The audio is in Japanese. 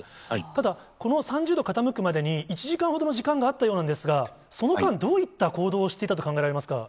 ただ、この３０度傾くまでに、１時間ほどの時間があったようなんですが、その間、どういった行動をしていたと考えられますか。